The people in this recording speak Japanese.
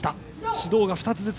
指導が２つずつ。